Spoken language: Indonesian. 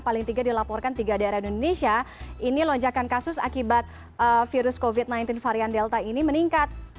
paling tiga dilaporkan tiga daerah indonesia ini lonjakan kasus akibat virus covid sembilan belas varian delta ini meningkat